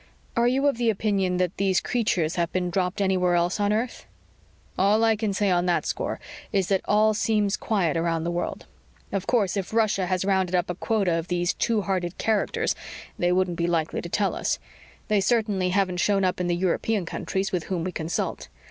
"Are you of the opinion that these creatures have been dropped anywhere else on earth?" "All I can say on that score is that all seems quiet around the world. Of course, if Russia has rounded up a quota of these two hearted characters they wouldn't be likely to tell us. They certainly haven't shown up in the European countries with whom we consult.